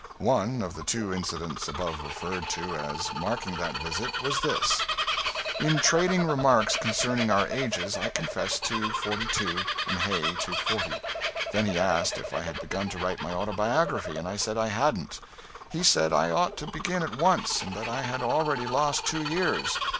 One of the two incidents above referred to as marking that visit was this: In trading remarks concerning our ages I confessed to forty two and Hay to forty. Then he asked if I had begun to write my autobiography, and I said I hadn't. He said that I ought to begin at once, and that I had already lost two years.